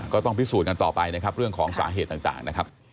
ก็ต้องพิสูจน์กันต่อไปเรื่องของสาเหตุต่าง